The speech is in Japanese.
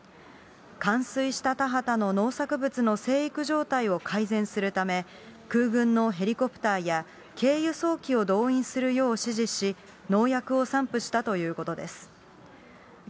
冠水した田畑の農作物の生育状態を改善するため、空軍のヘリコプターや、軽輸送機を動員するよう指示し、農薬を散布したということです。